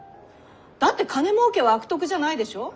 だって金もうけは悪徳じゃないでしょ？